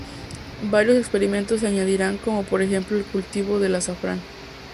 Varios experimentos se añadirán como por ejemplo el cultivo del azafrán.